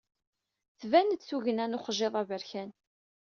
Tban-d tugna n uxjiḍ aberkan.